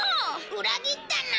裏切ったな！